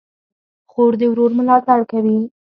خور د ورور ملاتړ کوي.